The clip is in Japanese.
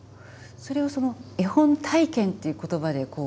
それはその絵本体験っていう言葉でこう。